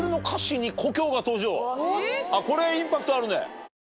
これはインパクトあるね。